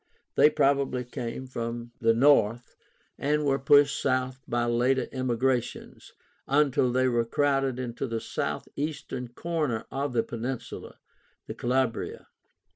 They probably came from the north, and were pushed south by later immigrations, until they were crowded into the southeastern corner of the peninsula (Calabria).